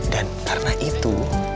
dan karena itu